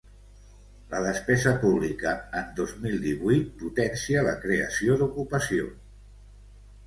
La despesa pública en dos mil divuit potència la creació d’ocupació.